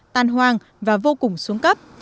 tan hoang và vô cùng xuống cấp